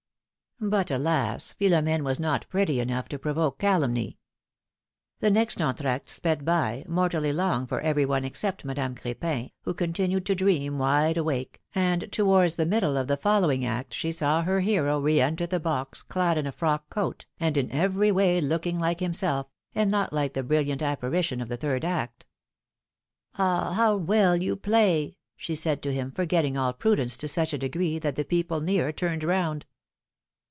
But, alas ! Philom^ne was not pretty enough to provoke calumny. The next entr^acte sped by, mortally long for every one except Madame Cr6pin, who continued to dream wide awakC; and towards the middle of the following act she philomJ^jte's mareiages. 225 saw her hero re enter the box, clad in a frock coat, and in every way looking like himself, and not like the brilliant apparition of the third act. ^^Ah ! how well you play she said to him, forgetting all prudence to such a degree that the people near turned round.